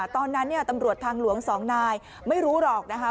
ตอนนั้นตำรวจทางหลวง๒นายไม่รู้หรอกนะคะ